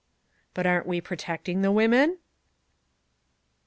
"But aren't we protecting the women?"